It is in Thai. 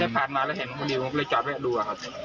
ได้ผ่านมาแล้วเห็นพอดีผมก็เลยจอดไว้ดูอะครับ